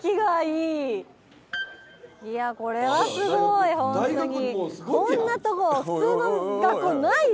いやこれはすごいホントに。